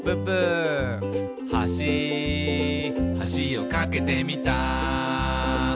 「はしはしを架けてみた」